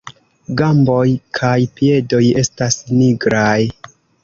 Gamboj kaj piedoj estas nigraj.